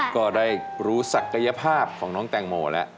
ก็ได้รู้ศักยภาพของน้องแตงโมแล้ว